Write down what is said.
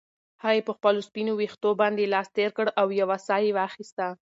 هغې په خپلو سپینو ویښتو باندې لاس تېر کړ او یوه ساه یې واخیسته.